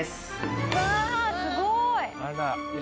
わあすごい。